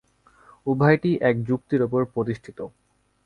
উভয়টিই একই যুক্তির উপর প্রতিষ্ঠিত।